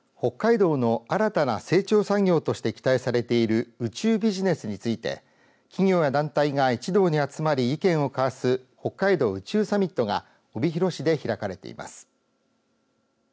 北海道の新たな成長産業として期待されている宇宙ビジネスについて企業や団体が一堂に集まり意見を交わす北海道宇宙サミットが帯広市で開かれています。